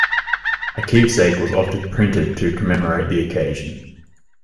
A keepsake was often printed to commemorate the occasion.